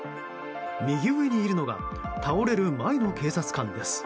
右上にいるのが倒れる前の警察官です。